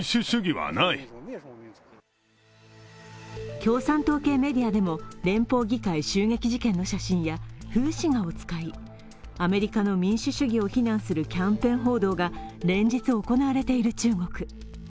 共産党系メディアでも連邦議会襲撃事件の写真や風刺画を使い、アメリカの民主主義を非難するキャンペーン報道が連日行われている中国。